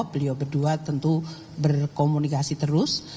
beliau berdua tentu berkomunikasi terus